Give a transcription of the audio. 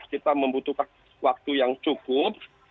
kita membutuhkan waktu yang cukup